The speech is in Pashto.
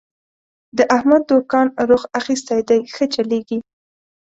د احمد دوکان روخ اخستی دی، ښه چلېږي.